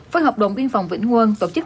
với hợp đồng biên phòng vĩnh ngươn tổ chức